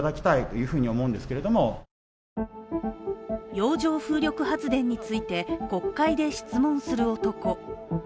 洋上風力発電について国会で質問する男。